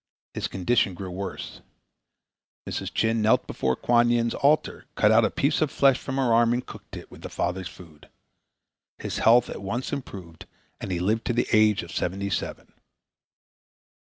His condition grew worse. Mrs. Chin knelt before Kuan Yin's altar, cut out a piece of flesh from her arm and cooked it with the father's food. His health at once improved and he lived to the age of seventy seven.